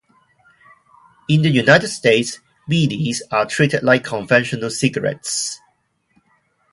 In the United States, beedies are treated like conventional cigarettes.